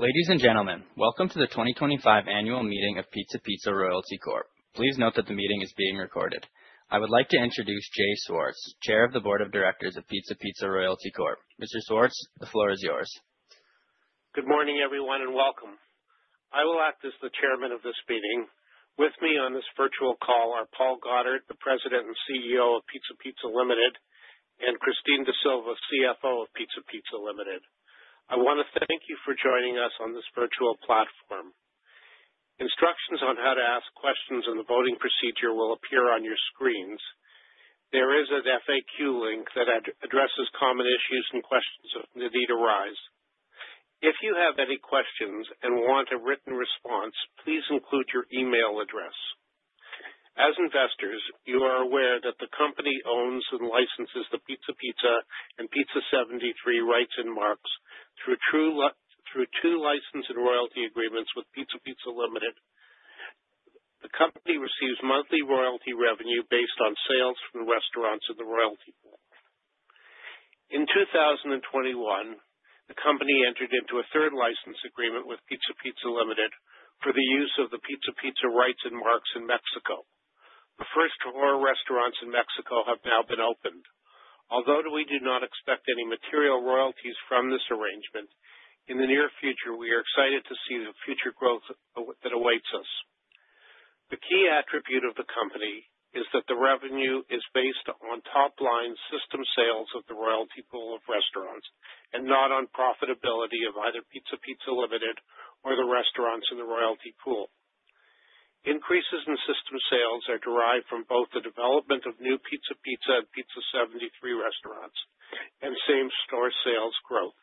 Ladies and gentlemen, welcome to the 2025 annual meeting of Pizza Pizza Royalty Corp. Please note that the meeting is being recorded. I would like to introduce Jay Swartz, Chair of the Board of Directors of Pizza Pizza Royalty Corp. Mr. Swartz, the floor is yours. Good morning, everyone, and welcome. I will act as the Chairman of this meeting. With me on this virtual call are Paul Goddard, the President and Chief Executive Officer of Pizza Pizza Limited, and Christine D'Sylva, Chief Financial Officer of Pizza Pizza Limited. I wanna thank you for joining us on this virtual platform. Instructions on how to ask questions and the voting procedure will appear on your screens. There is an FAQ link that addresses common issues and questions if they need arise. If you have any questions and want a written response, please include your email address. As investors, you are aware that the company owns and licenses the Pizza Pizza and Pizza 73 rights and marks through two license and royalty agreements with Pizza Pizza Limited. The company receives monthly royalty revenue based on sales from restaurants in the royalty pool. In 2021, the company entered into a third license agreement with Pizza Pizza Limited for the use of the Pizza Pizza rights and marks in Mexico. The first four restaurants in Mexico have now been opened. Although we do not expect any material royalties from this arrangement, in the near future, we are excited to see the future growth that awaits us. The key attribute of the company is that the revenue is based on top-line system sales of the royalty pool of restaurants and not on profitability of either Pizza Pizza Limited or the restaurants in the royalty pool. Increases in system sales are derived from both the development of new Pizza Pizza and Pizza 73 restaurants and same-store sales growth.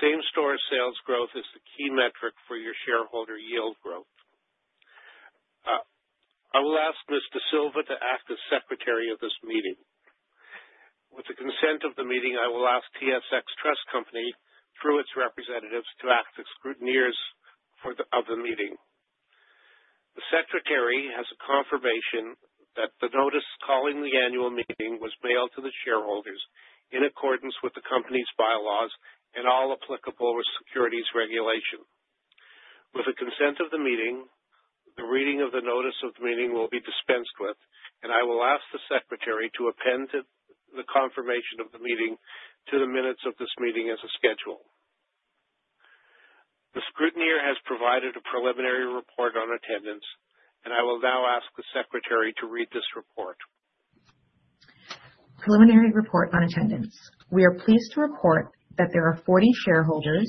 Same-store sales growth is the key metric for your shareholder yield growth. I will ask Ms. D'Sylva to act as Secretary of this meeting. With the consent of the meeting, I will ask TSX Trust Company, through its representatives, to act as Scrutineers of the meeting. The Secretary has a confirmation that the notice calling the annual meeting was mailed to the shareholders in accordance with the company's bylaws and all applicable with securities regulation. With the consent of the meeting, the reading of the notice of the meeting will be dispensed with, and I will ask the Secretary to append to the confirmation of the meeting to the minutes of this meeting as a schedule. The Scrutineer has provided a preliminary report on attendance, and I will now ask the Secretary to read this report. Preliminary report on attendance. We are pleased to report that there are 40 shareholders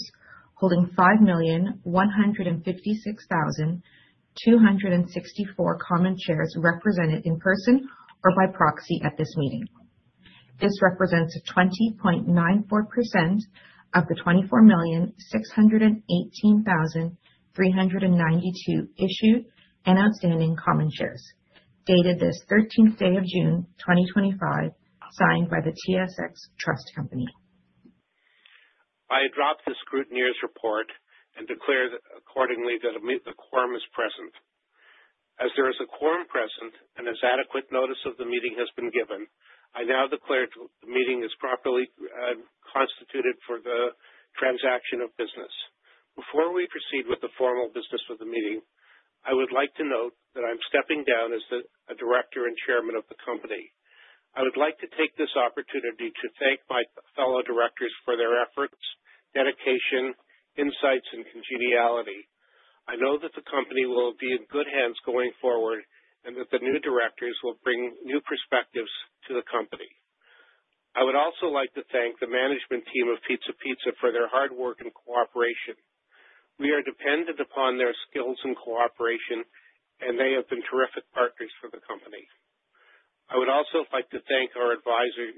holding 5,156,264 common shares represented in person or by proxy at this meeting. This represents 20.94% of the 24,618,392 issued and outstanding common shares. Dated this 13th day of June, 2025, signed by the TSX Trust Company. I adopt the Scrutineer's report and declare that accordingly that a quorum is present. As there is a quorum present and as adequate notice of the meeting has been given, I now declare the meeting is properly constituted for the transaction of business. Before we proceed with the formal business of the meeting, I would like to note that I'm stepping down as a Director and Chairman of the company. I would like to take this opportunity to thank my fellow directors for their efforts, dedication, insights, and congeniality. I know that the company will be in good hands going forward, and that the new directors will bring new perspectives to the company. I would also like to thank the management team of Pizza Pizza for their hard work and cooperation. We are dependent upon their skills and cooperation, and they have been terrific partners for the company. I would also like to thank our advisors,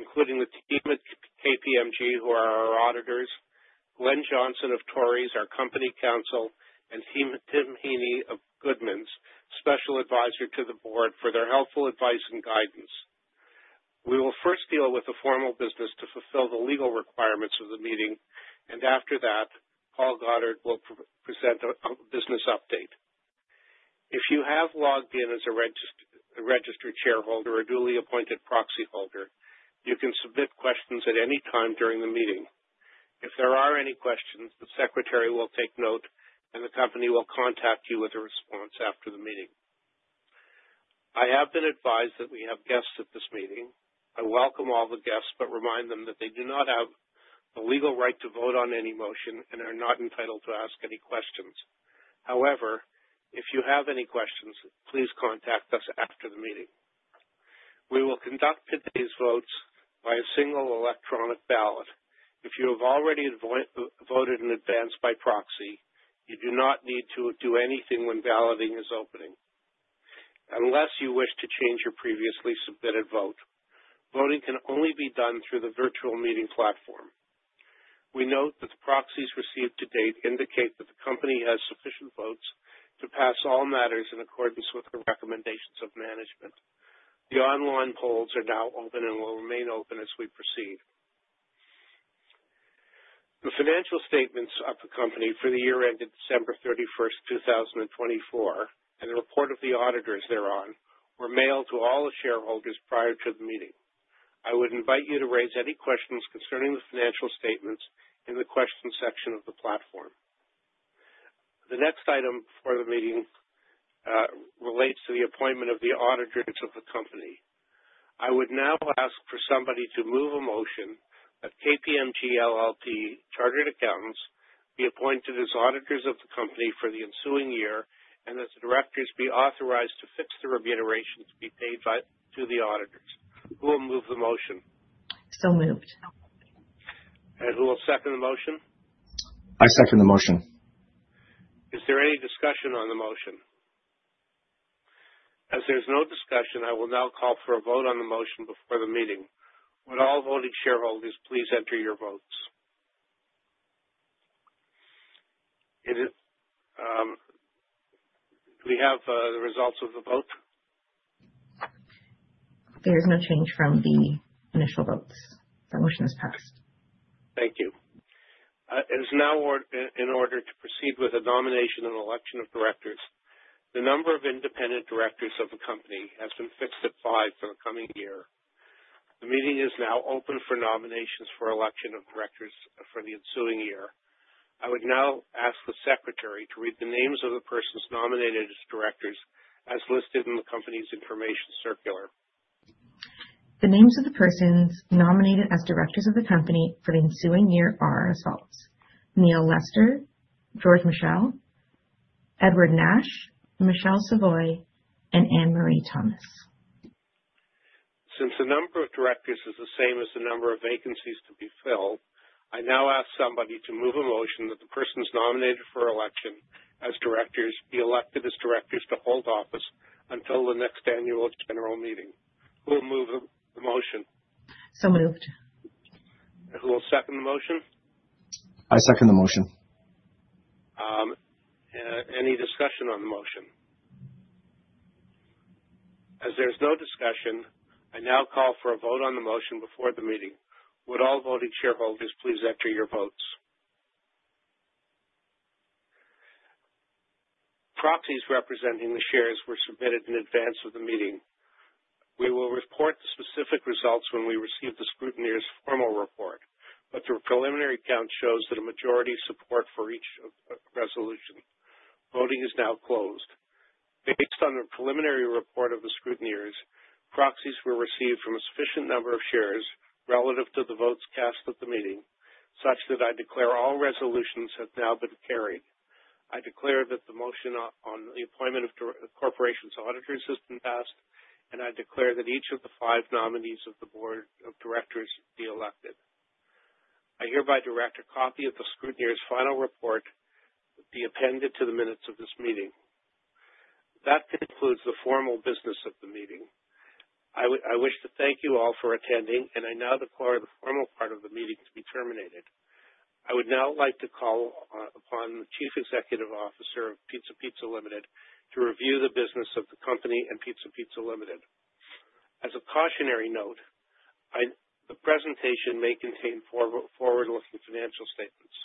including the team at KPMG, who are our auditors, Glen Johnson of Torys, our company counsel, and Tim Heeney of Goodmans, Special Advisor to the Board, for their helpful advice and guidance. We will first deal with the formal business to fulfill the legal requirements of the meeting. After that, Paul Goddard will present a business update. If you have logged in as a registered shareholder or duly appointed proxy holder, you can submit questions at any time during the meeting. If there are any questions, the Secretary will take note, and the company will contact you with a response after the meeting. I have been advised that we have guests at this meeting. I welcome all the guests, remind them that they do not have the legal right to vote on any motion and are not entitled to ask any questions. However, if you have any questions, please contact us after the meeting. We will conduct today's votes by a single electronic ballot. If you have already voted in advance by proxy, you do not need to do anything when balloting is opening. Unless you wish to change your previously submitted vote, voting can only be done through the virtual meeting platform. We note that the proxies received to date indicate that the company has sufficient votes to pass all matters in accordance with the recommendations of management. The online polls are now open and will remain open as we proceed. The financial statements for the company for the year ended December 31st, 2024, and a report of the auditors thereon were mailed to all the shareholders prior to the meeting. I would invite you to raise any questions concerning the financial statements in the questions section of the platform. The next item for the meeting relates to the appointment of the auditors of the company. I would now ask for somebody to move a motion that KPMG LLP Chartered Accountants be appointed as auditors of the company for the ensuing year and that the directors be authorized to fix the remuneration to be paid by, to the auditors. Who will move the motion? Moved. Who will second the motion? I second the motion. Is there any discussion on the motion? As there's no discussion, I will now call for a vote on the motion before the meeting. Would all voting shareholders please enter your votes. Do we have the results of the vote? There is no change from the initial votes. The motion is passed. Thank you. It is now in order to proceed with the nomination and election of directors. The number of independent directors of the company has been fixed at five for the coming year. The meeting is now open for nominations for election of directors for the ensuing year. I would now ask the Secretary to read the names of the persons nominated as directors as listed in the company's information circular. The names of the persons nominated as Directors of the company for the ensuing year are as follows: Neil Lester, George Michel, Edward Nash, Michelle Savoy, and Anne-Marie Thomas. Since the number of directors is the same as the number of vacancies to be filled, I now ask somebody to move a motion that the persons nominated for election as directors be elected as directors to hold office until the next annual general meeting. Who will move the motion? Moved. Who will second the motion? I second the motion. Any discussion on the motion? As there's no discussion, I now call for a vote on the motion before the meeting. Would all voting shareholders please enter your votes. Proxies representing the shares were submitted in advance of the meeting. We will report the specific results when we receive the scrutineer's formal report, but the preliminary count shows that a majority support for each of resolution. Voting is now closed. Based on the preliminary report of the scrutineers, proxies were received from a sufficient number of shares relative to the votes cast at the meeting, such that I declare all resolutions have now been carried. I declare that the motion on the appointment of a corporation's auditors has been passed, and I declare that each of the five nominees of the board of directors be elected. I hereby direct a copy of the scrutineer's final report be appended to the minutes of this meeting. That concludes the formal business of the meeting. I wish to thank you all for attending, and I now declare the formal part of the meeting to be terminated. I would now like to call upon the Chief Executive Officer of Pizza Pizza Limited to review the business of the company and Pizza Pizza Limited. As a cautionary note, the presentation may contain forward-looking financial statements.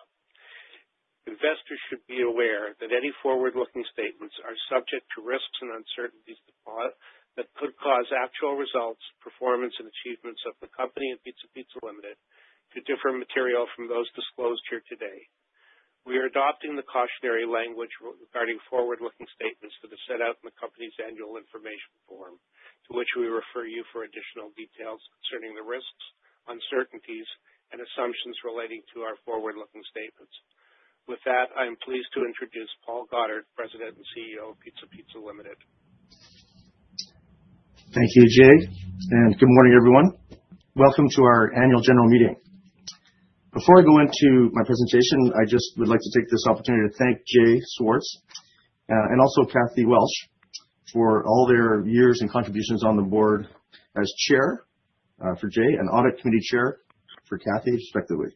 Investors should be aware that any forward-looking statements are subject to risks and uncertainties that could cause actual results, performance and achievements of the company and Pizza Pizza Limited to differ material from those disclosed here today. We are adopting the cautionary language regarding forward-looking statements that are set out in the company's annual information form, to which we refer you for additional details concerning the risks, uncertainties, and assumptions relating to our forward-looking statements. With that, I am pleased to introduce Paul Goddard, President and Chief Executive Officer of Pizza Pizza Limited. Thank you, Jay, and good morning, everyone. Welcome to our annual general meeting. Before I go into my presentation, I just would like to take this opportunity to thank Jay Swartz and also Kathryn Welsh for all their years and contributions on the Board as Chair for Jay and Audit Committee Chair for Kathy, respectively.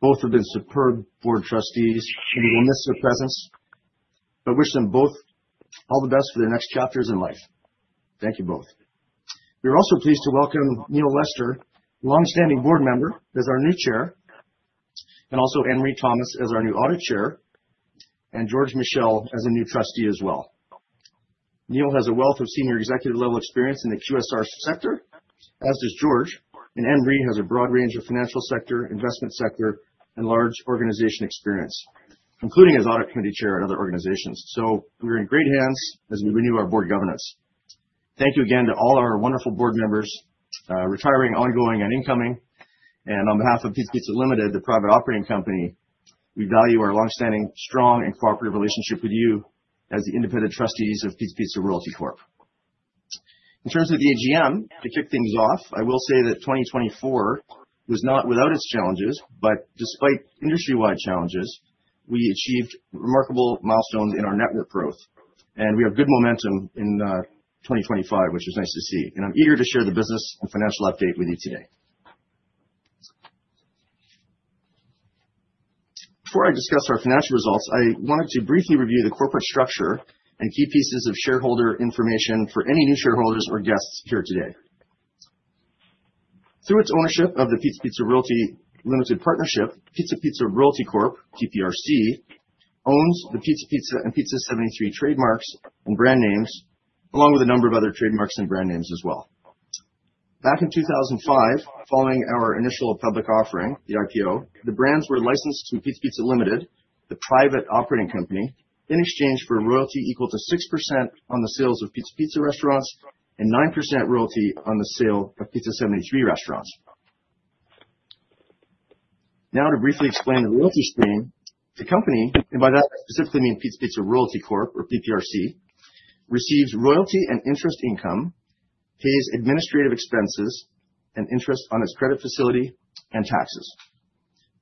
Both have been superb Board Trustees presence. I wish them both all the best for their next chapters in life. Thank you both. We are also pleased to welcome Neil Lester, longstanding board member, as our new Chair, and also Anne-Marie Thomas as our new Audit Chair, and George Michel as a new Trustee as well. Neil has a wealth of senior executive level experience in the QSR sector, as does George. Anne-Marie has a broad range of financial sector, investment sector, and large organization experience, including as audit committee chair at other organizations. We are in great hands as we renew our board governance. Thank you again to all our wonderful board members, retiring, ongoing, and incoming. On behalf of Pizza Pizza Limited, the private operating company, we value our longstanding, strong, and cooperative relationship with you as the independent trustees of Pizza Pizza Royalty Corp. In terms of the AGM, to kick things off, I will say that 2024 was not without its challenges, but despite industry-wide challenges, we achieved remarkable milestones in our net new growth, and we have good momentum in 2025, which is nice to see. I'm eager to share the business and financial update with you today. Before I discuss our financial results, I wanted to briefly review the corporate structure and key pieces of shareholder information for any new shareholders or guests here today. Through its ownership of the Pizza Pizza Royalty Limited Partnership, Pizza Pizza Royalty Corp, PPRC, owns the Pizza Pizza and Pizza 73 trademarks and brand names, along with a number of other trademarks and brand names as well. Back in 2005, following our initial public offering, the IPO, the brands were licensed to Pizza Pizza Limited, the private operating company, in exchange for a royalty equal to 6% on the sales of Pizza Pizza restaurants and 9% royalty on the sale of Pizza 73 restaurants. To briefly explain the royalty stream, the company, and by that I specifically mean Pizza Pizza Royalty Corp, or PPRC, receives royalty and interest income, pays administrative expenses and interest on its credit facility and taxes.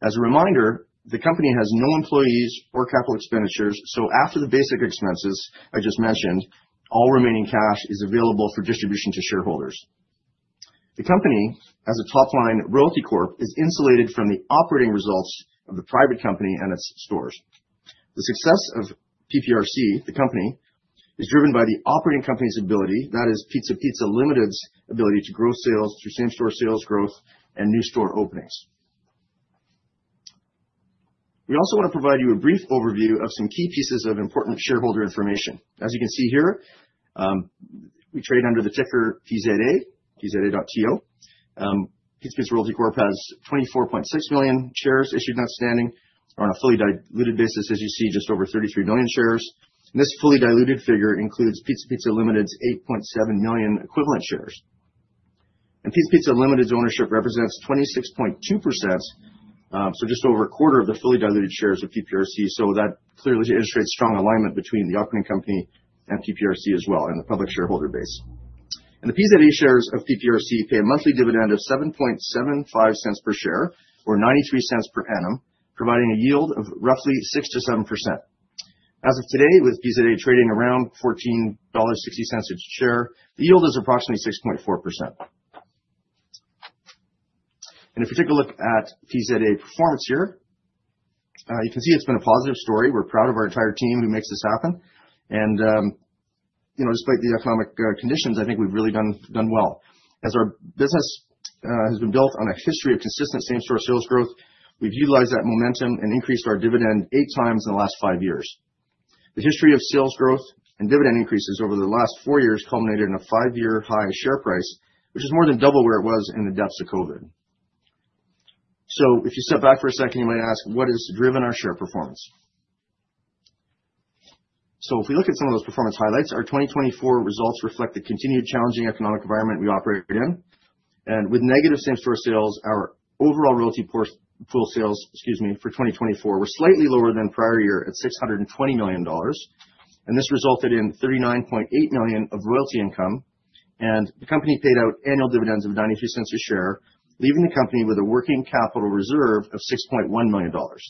As a reminder, the company has no employees or capital expenditures, so after the basic expenses I just mentioned, all remaining cash is available for distribution to shareholders. The company, as a top-line royalty corp, is insulated from the operating results of the private company and its stores. The success of PPRC, the company, is driven by the operating company's ability, that is Pizza Pizza Limited's ability, to grow sales through same-store sales growth and new store openings. To provide you a brief overview of some key pieces of important shareholder information. As you can see here, we trade under the ticker PZA, PZA.to. Pizza Pizza Royalty Corp has 24.6 million shares issued and outstanding on a fully diluted basis, as you see, just over 33 million shares. This fully diluted figure includes Pizza Pizza Limited's 8.7 million equivalent shares. Pizza Pizza Limited's ownership represents 26.2%, so just over a quarter of the fully diluted shares of PPRC. That clearly illustrates strong alignment between the operating company and PPRC as well, and the public shareholder base. The PZA shares of PPRC pay a monthly dividend of 0.0775 per share or 0.93 per annum, providing a yield of roughly 6%-7%. As of today, with PZA trading around 14.60 dollars a share, the yield is approximately 6.4%. If you take a look at PZA performance here, you can see it's been a positive story. We're proud of our entire team who makes this happen. You know, despite the economic conditions, I think we've really done well. Our business has been built on a history of consistent same-store sales growth, we've utilized that momentum and increased our dividend eight times in the last five years. The history of sales growth and dividend increases over the last four years culminated in a five-year high share price, which is more than double where it was in the depths of COVID. If you step back for a second, you might ask, What has driven our share performance? If we look at some of those performance highlights, our 2024 results reflect the continued challenging economic environment we operate in. With negative same-store sales, our overall royalty pool sales, excuse me, for 2024 were slightly lower than prior year at 620 million dollars, and this resulted in 39.8 million of royalty income. The company paid out annual dividends of 0.93 a share, leaving the company with a working capital reserve of 6.1 million dollars.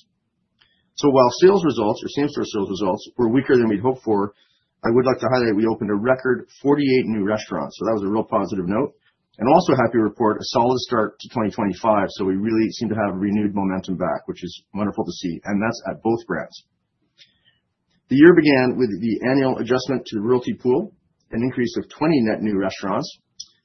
While sales results or same-store sales results were weaker than we'd hoped for, I would like to highlight we opened a record 48 new restaurants, so that was a real positive note. Also happy to report a solid start to 2025, so we really seem to have renewed momentum back, which is wonderful to see, and that's at both brands. The year began with the annual adjustment to royalty pool, an increase of 20 net new restaurants,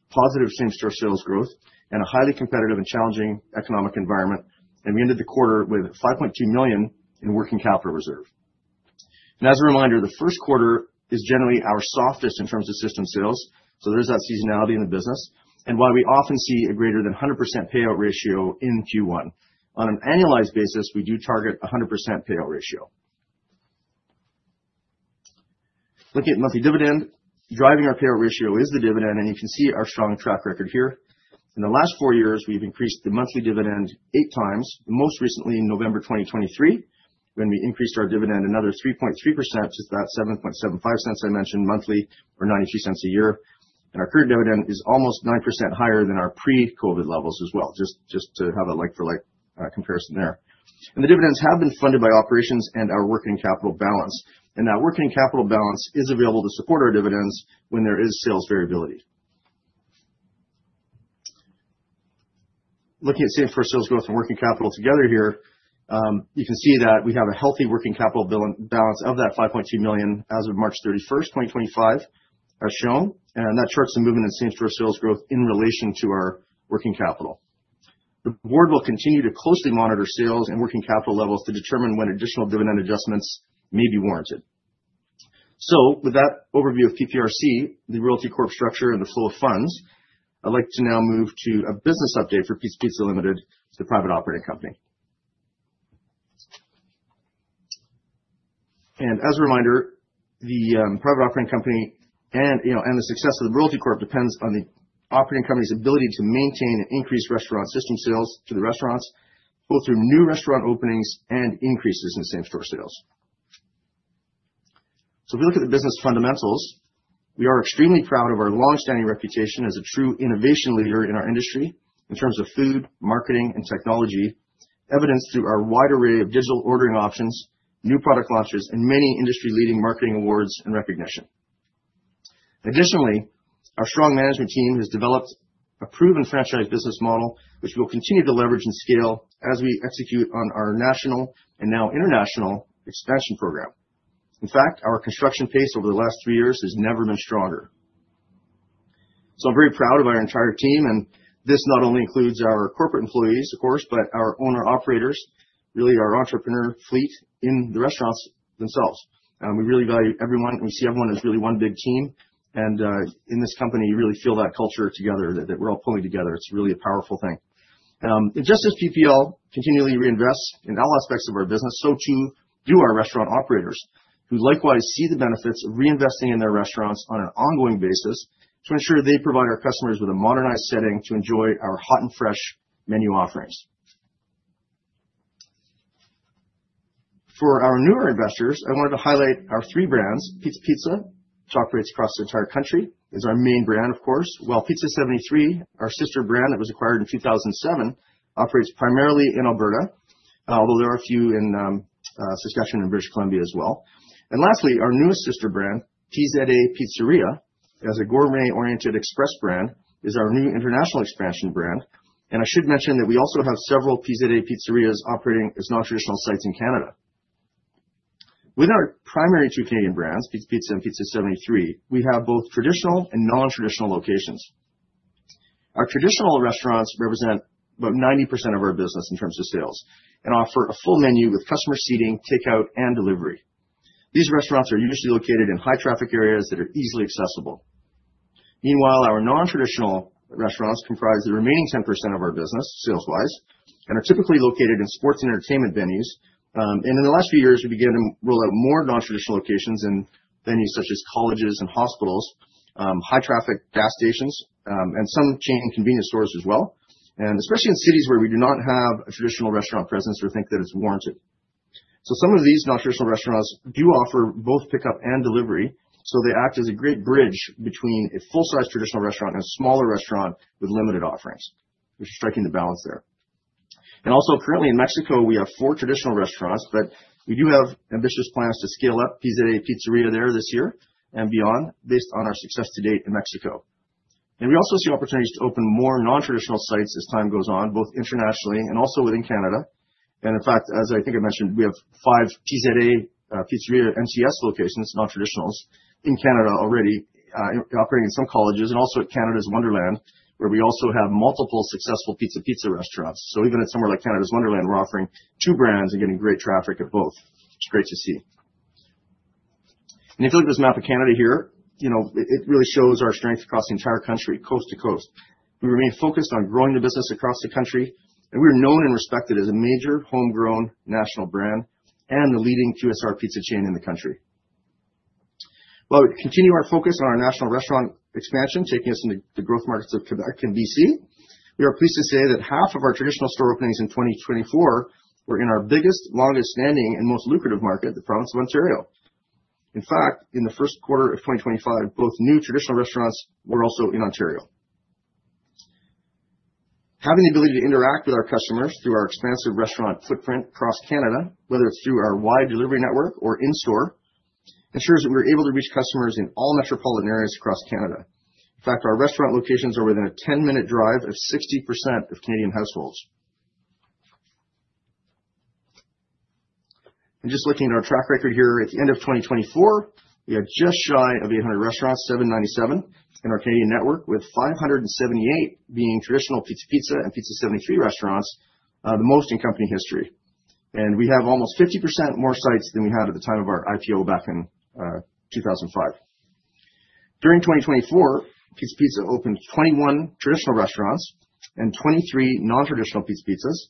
positive same-store sales growth, and a highly competitive and challenging economic environment. We ended the quarter with 5.2 million in working capital reserve. As a reminder, the first quarter is generally our softest in terms of system sales, so there is that seasonality in the business. While we often see a greater than 100% payout ratio in Q1, on an annualized basis, we do target a 100% payout ratio. Looking at monthly dividend, driving our payout ratio is the dividend, and you can see our strong track record here. In the last four years, we've increased the monthly dividend eight times, most recently in November 2023, when we increased our dividend another 3.3% to that 0.0775 I mentioned monthly or 0.93 a year. Our current dividend is almost 9% higher than our pre-COVID levels as well, just to have a like-for-like comparison there. The dividends have been funded by operations and our working capital balance. That working capital balance is available to support our dividends when there is sales variability. Looking at same for sales growth and working capital together here, you can see that we have a healthy working capital balance of that 5.2 million as of March 31st, 2025, as shown, and that charts the movement in same-store sales growth in relation to our working capital. The board will continue to closely monitor sales and working capital levels to determine when additional dividend adjustments may be warranted. With that overview of PPRC, the Royalty Corp structure, and the flow of funds, I'd like to now move to a business update for Pizza Pizza Limited, the private operating company. As a reminder, the private operating company and, you know, the success of the Royalty Corp depends on the operating company's ability to maintain and increase restaurant system sales to the restaurants, both through new restaurant openings and increases in same-store sales. If you look at the business fundamentals, we are extremely proud of our long-standing reputation as a true innovation leader in our industry in terms of food, marketing, and technology, evidenced through our wide array of digital ordering options, new product launches, and many industry-leading marketing awards and recognition. Additionally, our strong management team has developed a proven franchise business model, which we'll continue to leverage and scale as we execute on our national, and now international, expansion program. In fact, our construction pace over the last three years has never been stronger. I'm very proud of our entire team, and this not only includes our corporate employees, of course, but our owner-operators, really our entrepreneur fleet in the restaurants themselves. We really value everyone, and we see everyone as really one big team. In this company, you really feel that culture together, that we're all pulling together. It's really a powerful thing. And just as PPL continually reinvests in all aspects of our business, so too do our restaurant operators, who likewise see the benefits of reinvesting in their restaurants on an ongoing basis to ensure they provide our customers with a modernized setting to enjoy our hot and fresh menu offerings. For our newer investors, I wanted to highlight our three brands, Pizza Pizza, which operates across the entire country, is our main brand, of course, while Pizza 73, our sister brand that was acquired in 2007, operates primarily in Alberta, although there are a few in Saskatchewan and British Columbia as well. Lastly, our newest sister brand, PZA Pizzeria, as a gourmet-oriented express brand, is our new international expansion brand. I should mention that we also have several PZA Pizzerias operating as nontraditional sites in Canada. With our primary two Canadian brands, Pizza Pizza and Pizza 73, we have both traditional and nontraditional locations. Our traditional restaurants represent about 90% of our business in terms of sales and offer a full menu with customer seating, takeout, and delivery. These restaurants are usually located in high traffic areas that are easily accessible. Meanwhile, our nontraditional restaurants comprise the remaining 10% of our business, sales-wise, and are typically located in sports and entertainment venues. In the last few years, we began to roll out more nontraditional locations in venues such as colleges and hospitals, high traffic gas stations, and some chain convenience stores as well. Especially in cities where we do not have a traditional restaurant presence or think that it's warranted. Some of these nontraditional restaurants do offer both pickup and delivery, so they act as a great bridge between a full-size traditional restaurant and a smaller restaurant with limited offerings. We're striking the balance there. Currently in Mexico, we have four traditional restaurants, but we do have ambitious plans to scale up PZA Pizzeria there this year and beyond based on our success to date in Mexico. We see opportunities to open more nontraditional sites as time goes on, both internationally and also within Canada. As I think I mentioned, we have five PZA Pizzeria NTS locations, nontraditionals, in Canada already, operating in some colleges and also at Canada's Wonderland, where we also have multiple successful Pizza Pizza restaurants. Even at somewhere like Canada's Wonderland, we're offering two brands and getting great traffic at both, which is great to see. If you look at this map of Canada here, you know, it really shows our strength across the entire country, coast to coast. We remain focused on growing the business across the country, and we are known and respected as a major homegrown national brand and the leading QSR pizza chain in the country. While we continue our focus on our national restaurant expansion, taking us into the growth markets of Quebec and B.C., we are pleased to say that half of our traditional store openings in 2024 were in our biggest, longest standing and most lucrative market, the province of Ontario. In fact, in the first quarter of 2025, both new traditional restaurants were also in Ontario. Having the ability to interact with our customers through our expansive restaurant footprint across Canada, whether it's through our wide delivery network or in-store, ensures that we're able to reach customers in all metropolitan areas across Canada. In fact, our restaurant locations are within a 10-minute drive of 60% of Canadian households. Just looking at our track record here at the end of 2024, we are just shy of 800 restaurants, 797 in our Canadian network, with 578 being traditional Pizza Pizza and Pizza 73 restaurants, the most in company history. We have almost 50% more sites than we had at the time of our IPO back in 2005. During 2024, Pizza Pizza opened 21 traditional restaurants and 23 nontraditional Pizza Pizzas,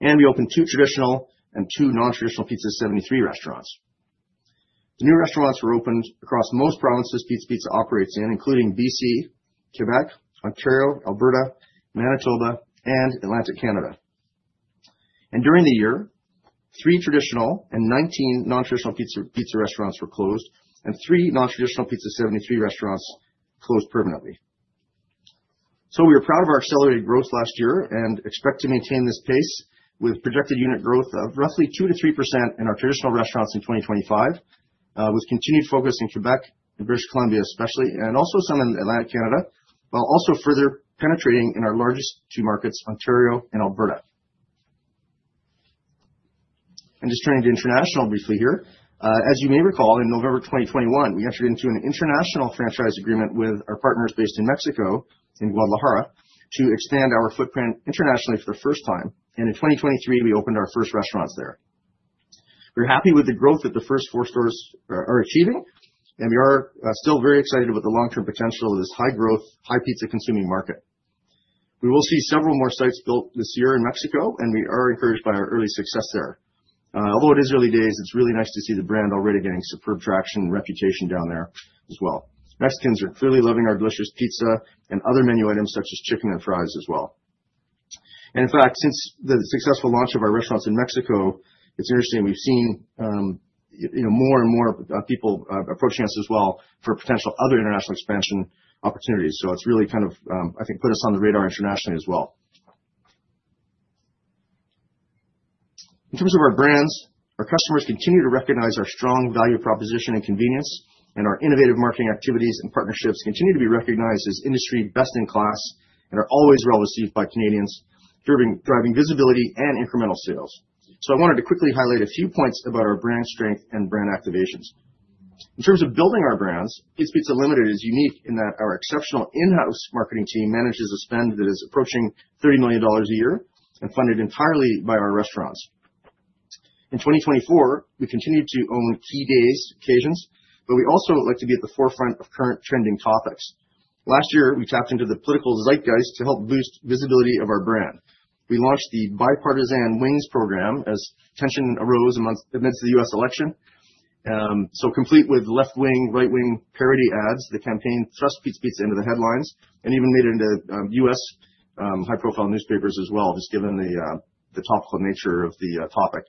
and we opened two traditional and two nontraditional Pizza 73 restaurants. The new restaurants were opened across most provinces Pizza Pizza operates in, including B.C., Quebec, Ontario, Alberta, Manitoba, and Atlantic Canada. During the year, three traditional and 19 nontraditional Pizza Pizza restaurants were closed, and three nontraditional Pizza 73 restaurants closed permanently. We are proud of our accelerated growth last year and expect to maintain this pace with projected unit growth of roughly 2%-3% in our traditional restaurants in 2025, with continued focus in Quebec and British Columbia especially, and also some in Atlantic Canada, while also further penetrating in our largest two markets, Ontario and Alberta. Just turning to international briefly here, as you may recall, in November 2021, we entered into an international franchise agreement with our partners based in Mexico, in Guadalajara, to expand our footprint internationally for the first time, and in 2023, we opened our first restaurants there. We're happy with the growth that the first four stores are achieving, and we are still very excited with the long-term potential of this high-growth, high pizza-consuming market. We will see several more sites built this year in Mexico, and we are encouraged by our early success there. Although it is early days, it's really nice to see the brand already getting superb traction and reputation down there as well. Mexicans are clearly loving our delicious pizza and other menu items such as chicken and fries as well. In fact, since the successful launch of our restaurants in Mexico, it's interesting, we've seen, you know, more and more people approaching us as well for potential other international expansion opportunities. It's really kind of, I think, put us on the radar internationally as well. In terms of our brands, our customers continue to recognize our strong value proposition and convenience. Our innovative marketing activities and partnerships continue to be recognized as industry best in class and are always well received by Canadians, driving visibility and incremental sales. I wanted to quickly highlight a few points about our brand strength and brand activations. In terms of building our brands, Pizza Pizza Limited is unique in that our exceptional in-house marketing team manages a spend that is approaching 30 million dollars a year and funded entirely by our restaurants. In 2024, we continued to own key days, occasions, but we also like to be at the forefront of current trending topics. Last year, we tapped into the political zeitgeist to help boost visibility of our brand. We launched the Bipartisan Wings Program as tension arose amidst the U.S. election. Complete with left-wing, right-wing parody ads, the campaign thrust Pizza Pizza into the headlines and even made it into U.S. high-profile newspapers as well, just given the topical nature of the topic.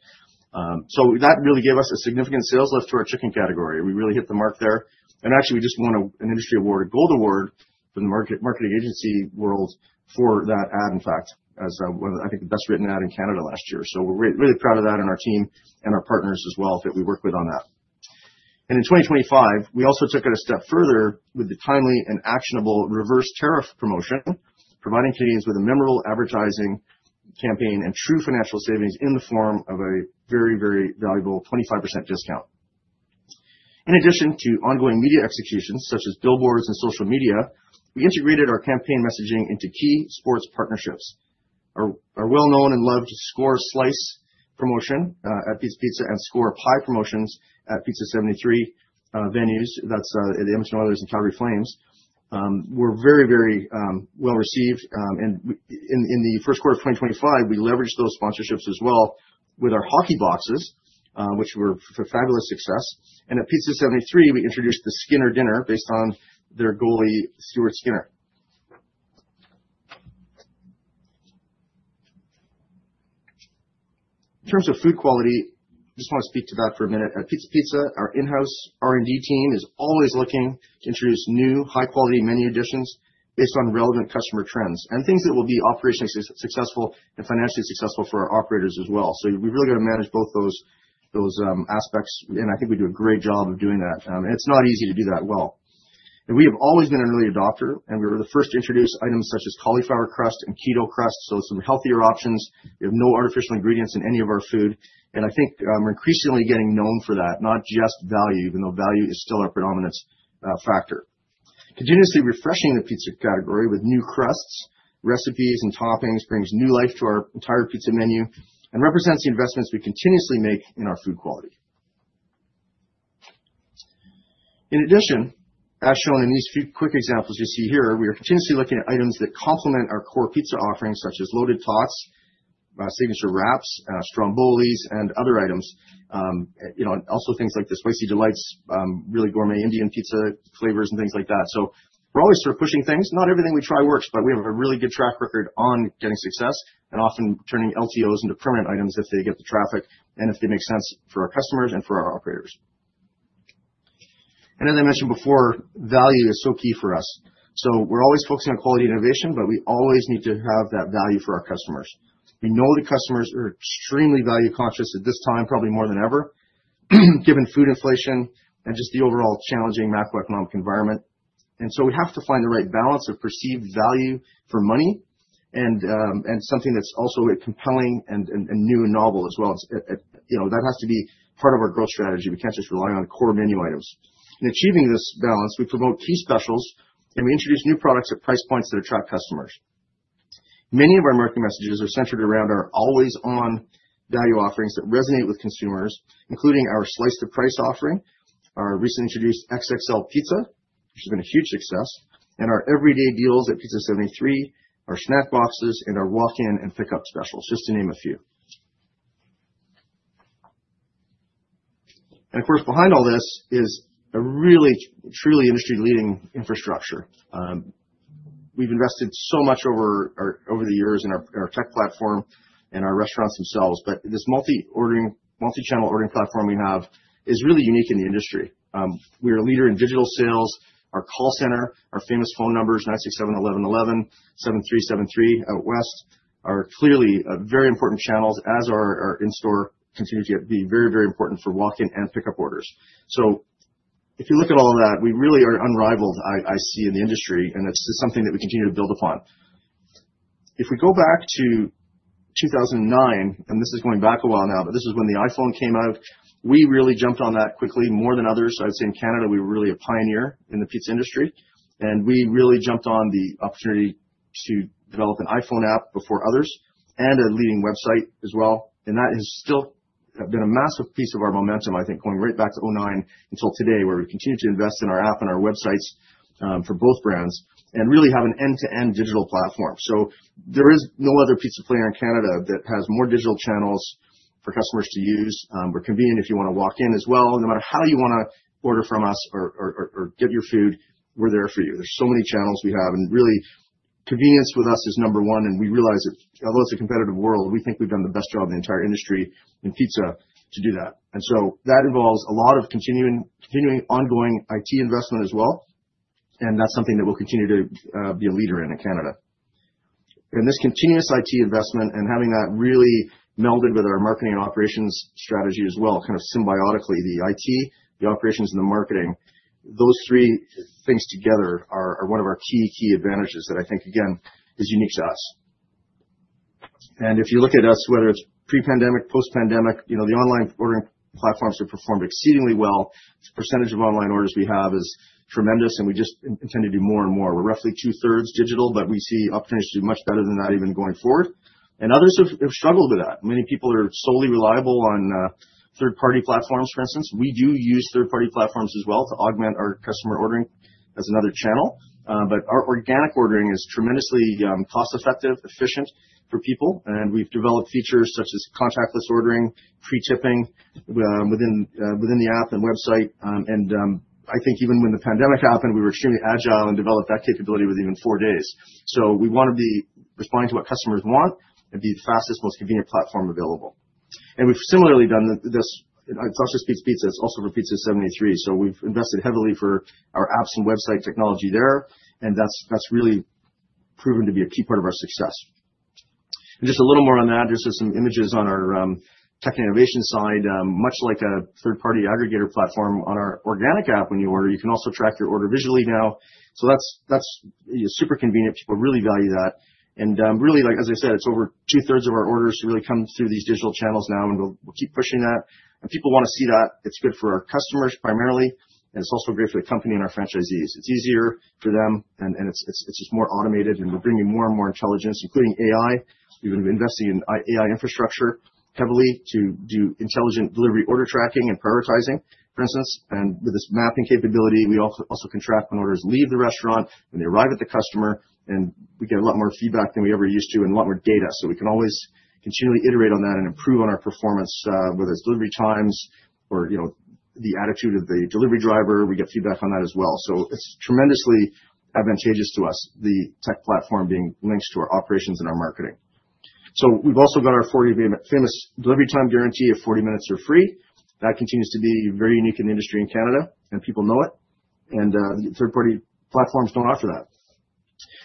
That really gave us a significant sales lift to our chicken category. We really hit the mark there. Actually, we just won an industry award, a gold award for the marketing agency world for that ad, in fact, as one of, I think, the best-written ad in Canada last year. We're really proud of that and our team and our partners as well that we work with on that. In 2025, we also took it a step further with the timely and actionable reverse tariff promotion, providing Canadians with a memorable advertising campaign and true financial savings in the form of a very, very valuable 25% discount. In addition to ongoing media executions such as billboards and social media, we integrated our campaign messaging into key sports partnerships. Our well-known and loved Score a Slice promotion at Pizza Pizza and Score a Pie promotions at Pizza 73 venues, that's at the Edmonton Oilers and Calgary Flames, were very, very well-received. In the first quarter of 2025, we leveraged those sponsorships as well with our hockey boxes, which were a fabulous success. At Pizza 73, we introduced the Skinner Dinner based on their goalie, Stuart Skinner. In terms of food quality, just want to speak to that for a minute. At Pizza Pizza, our in-house R&D team is always looking to introduce new high-quality menu additions based on relevant customer trends and things that will be operationally successful and financially successful for our operators as well. We really got to manage both those aspects, and I think we do a great job of doing that. It's not easy to do that well. We have always been an early adopter, and we were the first to introduce items such as Cauliflower Crust and Keto Crust, so some healthier options. We have no artificial ingredients in any of our food, and I think, we're increasingly getting known for that, not just value, even though value is still our predominant factor. Continuously refreshing the pizza category with new crusts, recipes, and toppings brings new life to our entire pizza menu and represents the investments we continuously make in our food quality. In addition, as shown in these few quick examples you see here, we are continuously looking at items that complement our core pizza offerings, such as Loaded Tots, Wraps, Stromboli, and other items. You know, also things like the spicy delights, really gourmet Indian pizza flavors and things like that. We're always sort of pushing things. Not everything we try works, but we have a really good track record on getting success and often turning LTOs into permanent items if they get the traffic and if they make sense for our customers and for our operators. As I mentioned before, value is so key for us. We're always focusing on quality and innovation, but we always need to have that value for our customers. We know that customers are extremely value-conscious at this time, probably more than ever, given food inflation and just the overall challenging macroeconomic environment. We have to find the right balance of perceived value for money and something that's also compelling and new and novel as well. It's, you know, that has to be part of our growth strategy. We can't just rely on core menu items. In achieving this balance, we promote key specials, and we introduce new products at price points that attract customers. Many of our marketing messages are centered around our always-on value offerings that resonate with consumers, including our Score a Slice offering, our recent introduced XXL Pizza, which has been a huge success, and our everyday deals at Pizza 73, our Snack Boxes, and our walk-in and pickup specials, just to name a few. Of course, behind all this is a really, truly industry-leading infrastructure. We've invested so much over the years in our tech platform and our restaurants themselves. This multi-channel ordering platform we have is really unique in the industry. We are a leader in digital sales. Our call center, our famous phone numbers, nine six seven eleven eleven, seven three seven three out west, are clearly very important channels, as are our in-store continue to be very, very important for walk-in and pickup orders. If you look at all of that, we really are unrivaled, I see, in the industry, and it's just something that we continue to build upon. If we go back to 2009, and this is going back a while now, but this is when the iPhone came out, we really jumped on that quickly, more than others. I would say in Canada, we were really a pioneer in the pizza industry, and we really jumped on the opportunity to develop an iPhone app before others and a leading website as well. That has still been a massive piece of our momentum, I think, going right back to 2009 until today, where we continue to invest in our app and our websites for both brands and really have an end-to-end digital platform. There is no other pizza player in Canada that has more digital channels for customers to use. We're convenient if you wanna walk in as well. No matter how you wanna order from us or get your food, we're there for you. There's so many channels we have, and really, convenience with us is number one, and we realize that although it's a competitive world, we think we've done the best job in the entire industry in pizza to do that. That involves a lot of continuing ongoing IT investment as well, and that's something that we'll continue to be a leader in Canada. This continuous IT investment and having that really melded with our marketing and operations strategy as well, kind of symbiotically, the IT, the operations, and the marketing, those three things together are one of our key advantages that I think, again, is unique to us. If you look at us, whether it's pre-pandemic, post-pandemic, you know, the online ordering platforms have performed exceedingly well. The percentage of online orders we have is tremendous, and we just intend to do more and more. We're roughly two-thirds digital, but we see opportunities to do much better than that even going forward. Others have struggled with that. Many people are solely reliable on third-party platforms, for instance. We do use third-party platforms as well to augment our customer ordering as another channel. Our organic ordering is tremendously cost-effective, efficient for people, and we've developed features such as contactless ordering, pre-tipping within the app and website. I think even when the pandemic happened, we were extremely agile and developed that capability within four days. We wanna be responding to what customers want and be the fastest, most convenient platform available. We've similarly done this. It's not just for Pizza Pizza, it's also for Pizza 73. We've invested heavily for our apps and website technology there, and that's really proven to be a key part of our success. Just a little more on that, just some images on our tech and innovation side. Much like a third-party aggregator platform on our organic app when you order, you can also track your order visually now. That's super convenient. People really value that. Really, like as I said, it's over two thirds of our orders really come through these digital channels now, and we'll keep pushing that. People wanna see that. It's good for our customers primarily, and it's also great for the company and our franchisees. It's easier for them and it's just more automated, and we're bringing more and more intelligence, including AI. We've been investing in AI infrastructure heavily to do intelligent delivery order tracking and prioritizing, for instance. With this mapping capability, we also can track when orders leave the restaurant, when they arrive at the customer, and we get a lot more feedback than we ever used to and a lot more data. We can always continually iterate on that and improve on our performance, whether it's delivery times or, you know, the attitude of the delivery driver. We get feedback on that as well. It's tremendously advantageous to us, the tech platform being linked to our operations and our marketing. We've also got our 40-minute famous delivery time guarantee of 40 minutes or free. That continues to be very unique in the industry in Canada, and people know it. Third-party platforms don't offer that.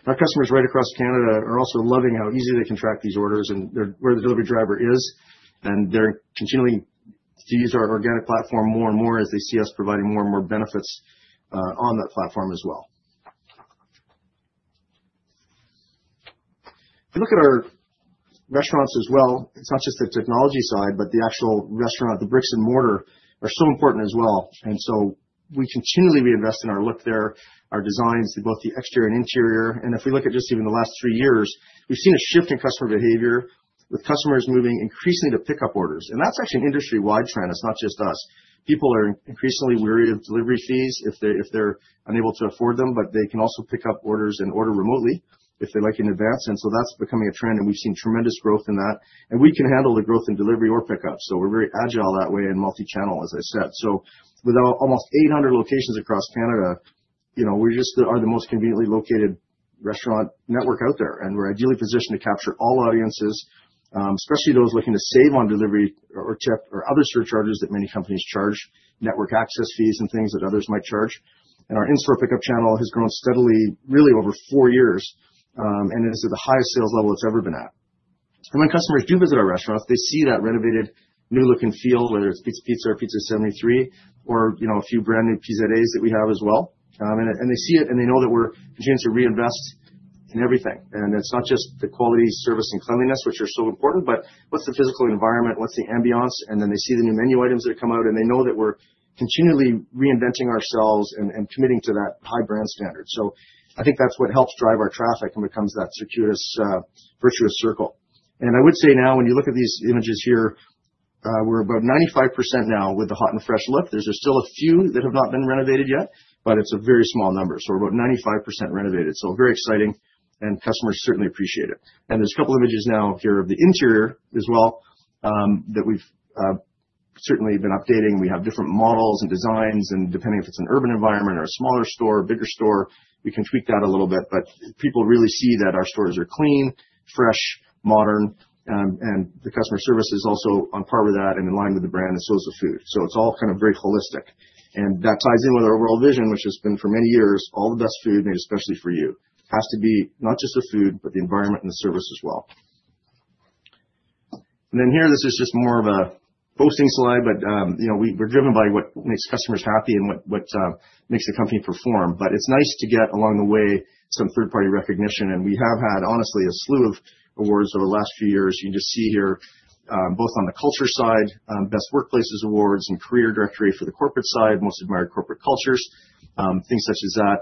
Our customers right across Canada are also loving how easy they can track these orders and where the delivery driver is. They're continuing to use our organic platform more and more as they see us providing more and more benefits on that platform as well. If you look at our restaurants as well, it's not just the technology side, but the actual restaurant, the bricks and mortar are so important as well. We continually reinvest in our look there, our designs to both the exterior and interior. If we look at just even the last three years, we've seen a shift in customer behavior, with customers moving increasingly to pick up orders. That's actually an industry-wide trend. It's not just us. People are increasingly weary of delivery fees if they're unable to afford them. They can also pick up orders and order remotely if they like in advance. That's becoming a trend. We've seen tremendous growth in that. We can handle the growth in delivery or pickup. We're very agile that way and multi-channel, as I said. With our almost 800 locations across Canada, you know, we just are the most conveniently located restaurant network out there. We're ideally positioned to capture all audiences, especially those looking to save on delivery or tip or other surcharges that many companies charge, network access fees and things that others might charge. Our in-store pickup channel has grown steadily really over four years, and is at the highest sales level it's ever been at. When customers do visit our restaurants, they see that renovated new look and feel, whether it's Pizza Pizza or Pizza 73 or, you know, a few brand new PZA Pizzerias that we have as well. They see it and they know that we're continuing to reinvest in everything. It's not just the quality, service, and cleanliness, which are so important, but what's the physical environment, what's the ambiance, then they see the new menu items that come out, and they know that we're continually reinventing ourselves and committing to that high brand standard. I think that's what helps drive our traffic and becomes that circuitous, virtuous circle. I would say now, when you look at these images here, we're about 95% now with the hot and fresh look. There's still a few that have not been renovated yet, but it's a very small number. We're about 95% renovated, so very exciting and customers certainly appreciate it. There's a couple images now here of the interior as well, that we've certainly been updating. We have different models and designs, and depending if it's an urban environment or a smaller store, a bigger store, we can tweak that a little bit. People really see that our stores are clean, fresh, modern, and the customer service is also on par with that and in line with the brand and so is the food. It's all kind of very holistic, and that ties in with our world vision, which has been for many years, "All the best food made especially for you." It has to be not just the food, but the environment and the service as well. Here, this is just more of a boasting slide, but, you know, we're driven by what makes customers happy and what makes the company perform. It's nice to get along the way some third-party recognition, and we have had, honestly, a slew of awards over the last few years. You can just see here, both on the culture side, Best Workplaces awards and Career Directory for the corporate side, Most Admired Corporate Cultures, things such as that.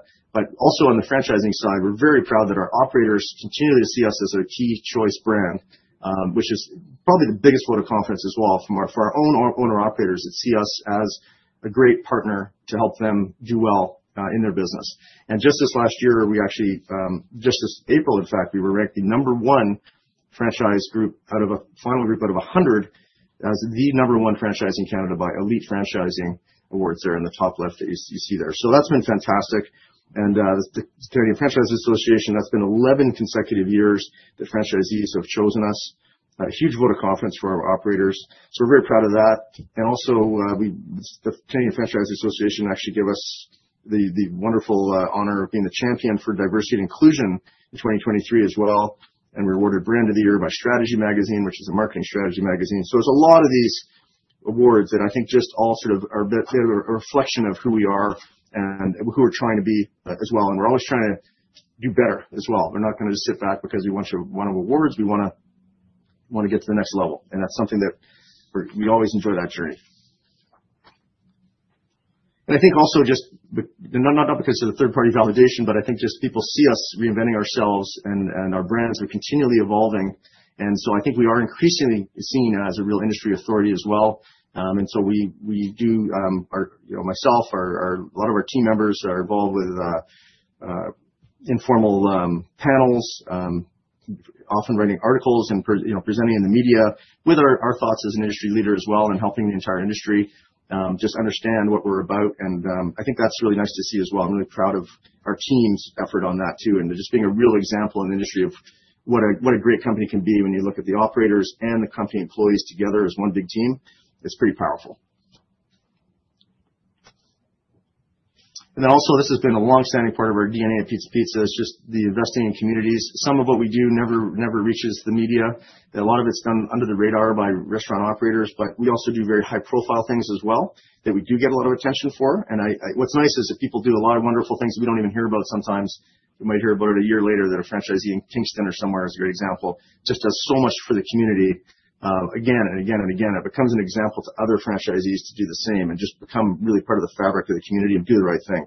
Also on the franchising side, we're very proud that our operators continually see us as their key choice brand, which is probably the biggest vote of confidence as well for our own owner-operators that see us as a great partner to help them do well in their business. Just this last year, we actually, just this April, in fact, we were ranked the number one franchise group out of a final group out of 100 as the number one franchise in Canada by Elite Franchise Top 100 there in the top left as you see there. That's been fantastic. The Canadian Franchise Association, that's been 11 consecutive years that franchisees have chosen us. A huge vote of confidence for our operators, we're very proud of that. Also, the Canadian Franchise Association actually gave us the wonderful honor of being the champion for diversity and inclusion in 2023 as well, and we were awarded Brand of the Year by Strategy Magazine, which is a marketing strategy magazine. There's a lot of these awards that I think just all sort of are a reflection of who we are and who we're trying to be as well, and we're always trying to do better as well. We're not gonna just sit back because we want to won awards. We wanna get to the next level, and that's something that we always enjoy that journey. I think also just with not because of the third-party validation, but I think just people see us reinventing ourselves and our brands. We're continually evolving, I think we are increasingly seen as a real industry authority as well. We, we do, you know, myself, a lot of our team members are involved with informal panels, often writing articles and presenting in the media with our thoughts as an industry leader as well and helping the entire industry just understand what we're about. I think that's really nice to see as well. I'm really proud of our team's effort on that too, and just being a real example in the industry of what a, what a great company can be when you look at the operators and the company employees together as one big team. It's pretty powerful. This has been a long-standing part of our DNA at Pizza Pizza. It's just the investing in communities. Some of what we do never reaches the media. A lot of it's done under the radar by restaurant operators, but we also do very high-profile things as well that we do get a lot of attention for. What's nice is that people do a lot of wonderful things we don't even hear about sometimes. We might hear about it a year later that a franchisee in Kingston or somewhere, as a great example, just does so much for the community, again and again and again. It becomes an example to other franchisees to do the same and just become really part of the fabric of the community and do the right thing.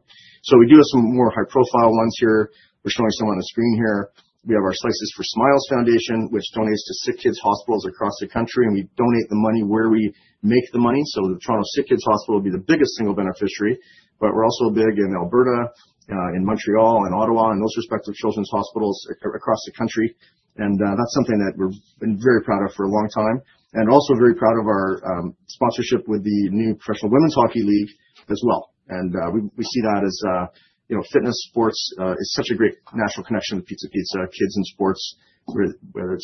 We do have some more high-profile ones here. We're showing some on the screen here. We have our Slices for Smiles Foundation, which donates to SickKids hospitals across the country. We donate the money where we make the money. The Toronto SickKids Hospital will be the biggest single beneficiary, we're also big in Alberta, in Montreal and Ottawa, and those respective children's hospitals across the country. That's something that we've been very proud of for a long time. Also very proud of our sponsorship with the new Professional Women's Hockey League as well. We see that as, you know, fitness, sports, is such a great natural connection with Pizza Pizza, kids and sports. We're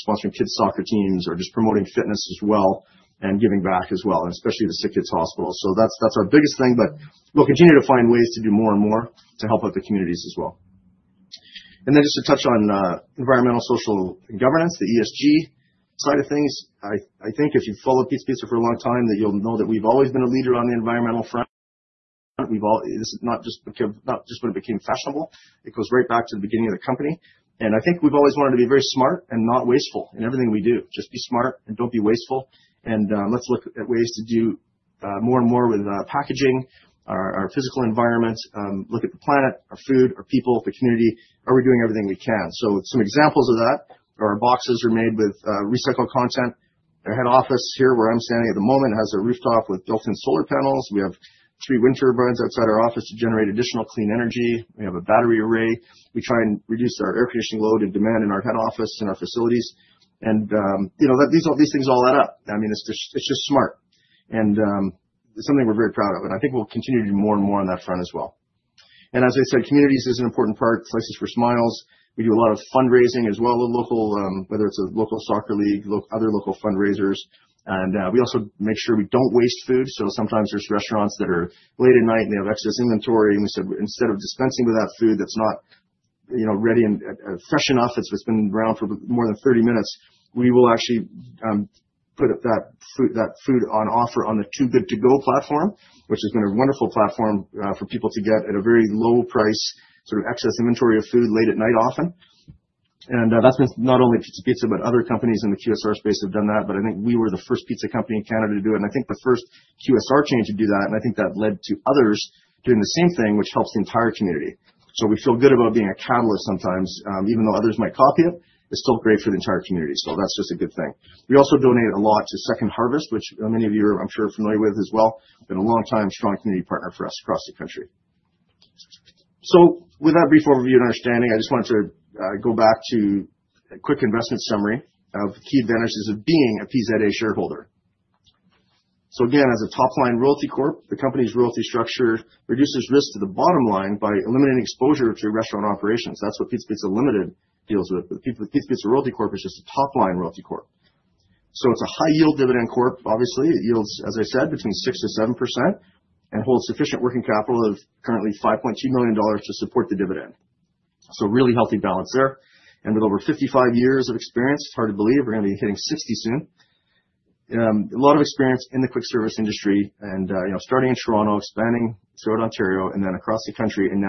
sponsoring kids' soccer teams or just promoting fitness as well and giving back as well, and especially the SickKids Hospital. That's our biggest thing, but we'll continue to find ways to do more and more to help out the communities as well. Just to touch on environmental, social, and governance, the ESG side of things. I think if you've followed Pizza Pizza for a long time, that you'll know that we've always been a leader on the environmental front. This is not just when it became fashionable. It goes right back to the beginning of the company, and I think we've always wanted to be very smart and not wasteful in everything we do. Just be smart and don't be wasteful, and let's look at ways to do more and more with packaging, our physical environment, look at the planet, our food, our people, the community. Are we doing everything we can? Some examples of that are our boxes are made with recycled content. Our head office here, where I'm standing at the moment, has a rooftop with built-in solar panels. We have three wind turbines outside our office to generate additional clean energy. We have a battery array. We try and reduce our air conditioning load and demand in our head office and our facilities. You know, that these things all add up. I mean, it's just, it's just smart and something we're very proud of, and I think we'll continue to do more and more on that front as well. As I said, communities is an important part. Slices for Smiles. We do a lot of fundraising as well with local, whether it's a local soccer league, other local fundraisers. We also make sure we don't waste food. Sometimes there's restaurants that are late at night, and they have excess inventory, and we said instead of dispensing with that food that's not, you know, ready and fresh enough, it's been around for more than 30 minutes, we will actually put that food on offer on the Too Good To Go platform, which has been a wonderful platform for people to get at a very low price, sort of excess inventory of food late at night often. That's been not only Pizza Pizza, but other companies in the QSR space have done that. I think we were the first pizza company in Canada to do it, and I think the first QSR chain to do that, and I think that led to others doing the same thing, which helps the entire community. We feel good about being a catalyst sometimes. Even though others might copy it's still great for the entire community, that's just a good thing. We also donated a lot to Second Harvest, which many of you are I'm sure familiar with as well. Been a long time strong community partner for us across the country. With that brief overview and understanding, I just wanted to go back to a quick investment summary of key advantages of being a PZA shareholder. Again, as a top line royalty corp, the company's royalty structure reduces risk to the bottom line by eliminating exposure to restaurant operations. That's what Pizza Pizza Limited deals with, but Pizza Pizza Royalty Corp is just a top line royalty corp. It's a high-yield dividend corp, obviously. It yields, as I said, between 6%-7% and holds sufficient working capital of currently 5.2 million dollars to support the dividend. A really healthy balance there. With over 55 years of experience, it's hard to believe we're gonna be hitting 60 soon. A lot of experience in the quick service industry, you know, starting in Toronto, expanding throughout Ontario and then across the country and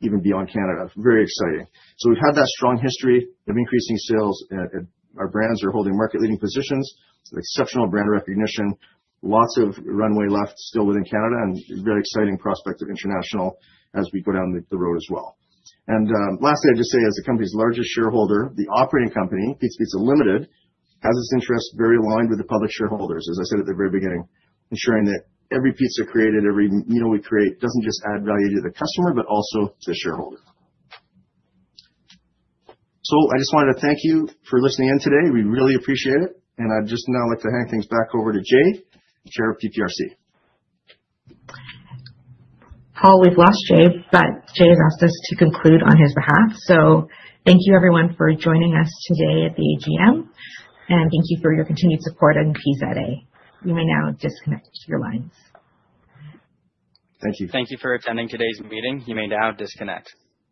now even beyond Canada. Very exciting. We've had that strong history of increasing sales. Our brands are holding market-leading positions. Some exceptional brand recognition. Lots of runway left still within Canada and very exciting prospect of international as we go down the road as well. Lastly, I'll just say as the company's largest shareholder, the operating company, Pizza Pizza Limited, has its interests very aligned with the public shareholders, as I said at the very beginning, ensuring that every pizza created, every meal we create doesn't just add value to the customer, but also to the shareholder. I just wanted to thank you for listening in today. We really appreciate it, and I'd just now like to hand things back over to Jay, Chair of PPRC. Paul, we've lost Jay, but Jay has asked us to conclude on his behalf. Thank you, everyone, for joining us today at the AGM, and thank you for your continued support in PZA. You may now disconnect your lines. Thank you. Thank you for attending today's meeting. You may now disconnect.